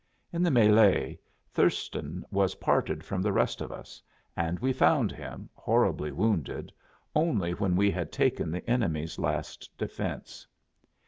In the mêlée Thurston was parted from the rest of us, and we found him, horribly wounded, only when we had taken the enemy's last defense.